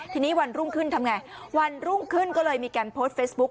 ทีนี้วันรุ่งขึ้นทำไงวันรุ่งขึ้นก็เลยมีการโพสต์เฟซบุ๊ค